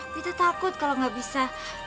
wita takut kalau gak bisa